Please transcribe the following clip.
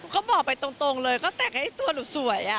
เขาบอกไปตรงเลยเขาแต่งให้ตัวหนูสวย